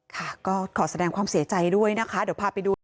ค่ะก็ขอแสดงความเสียใจด้วยนะคะเดี๋ยวพาไปดู